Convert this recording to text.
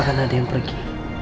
gak ada yang pergi